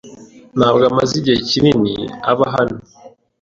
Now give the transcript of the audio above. ntabwo amaze igihe kinini aba hano.